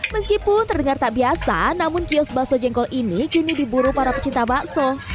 meskipun terdengar tak biasa namun kios bakso jengkol ini kini diburu para pecinta bakso